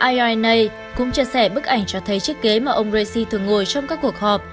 iona cũng chia sẻ bức ảnh cho thấy chiếc ghế mà ông raisi thường ngồi trong các cuộc họp